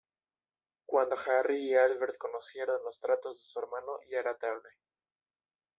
Cuando Harry y Albert conocieron los tratos de su hermano, ya era tarde.